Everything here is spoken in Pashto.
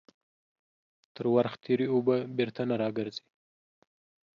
تر ورخ تيري اوبه بيرته نه راگرځي.